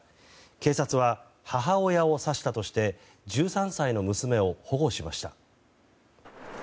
警察は母親を刺したとして１３歳の娘を保護しました。